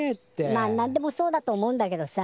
まあなんでもそうだと思うんだけどさ